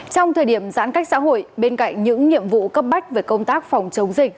trong thời điểm giãn cách xã hội bên cạnh những nhiệm vụ cấp bách về công tác phòng chống dịch